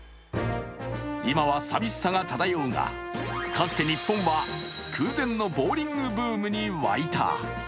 今はさみしさが漂うがかつて日本は空前のボウリングブームに沸いた。